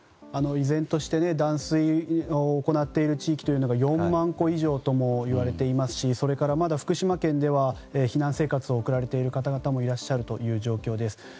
依然として断水を行っている地域が４万戸以上ともいわれていますしまだ福島県では避難生活を送られている方もいらっしゃるという状況です。